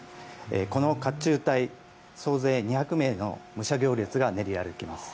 この甲冑隊総勢２００名の武者行列が練り歩きます。